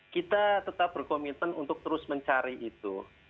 kita tetap berkomitmen untuk terus mencari itu